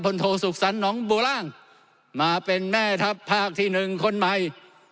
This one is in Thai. พลโทษศุกร์สรรค์หนองบูร่างมาเป็นแม่ทัพภาคที่หนึ่งคนใหม่